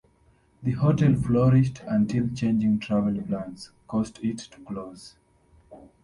The hotel flourished until changing travel plans caused it to close.